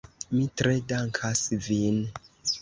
Mi tre dankas vin.